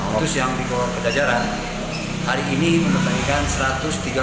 khusus yang di gor pajajaran hari ini mempertandingkan satu ratus tiga pertandingan